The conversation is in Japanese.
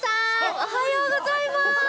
おはようございます。